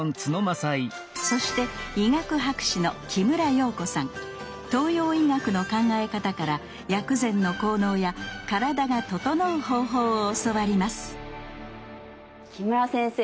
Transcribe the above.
そして医学博士の東洋医学の考え方から薬膳の効能や体がととのう方法を教わります木村先生